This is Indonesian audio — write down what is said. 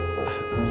udah ada pak